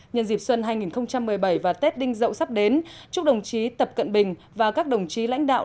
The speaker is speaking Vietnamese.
nhân dịp xuân hai nghìn một mươi bảy và tết đinh dậu sắp đến chúc đồng chí tập cận bình và các đồng chí lãnh đạo